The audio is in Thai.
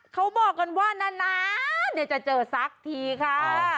เขาบอกกันว่านานาจะเจอสักทีค่ะ